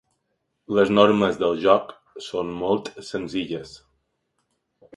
Les normes del joc són molt senzilles.